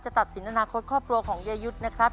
ตัดสินอนาคตครอบครัวของเยยุทธ์นะครับ